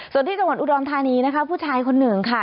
ส่วนที่จังหวัดอุดรธานีนะคะผู้ชายคนหนึ่งค่ะ